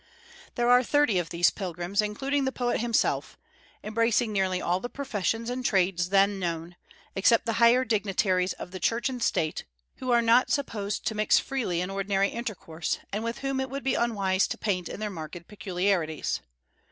There are thirty of these pilgrims, including the poet himself, embracing nearly all the professions and trades then known, except the higher dignitaries of Church and State, who are not supposed to mix freely in ordinary intercourse, and whom it would be unwise to paint in their marked peculiarities.